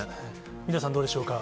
ミラさん、どうでしょうか。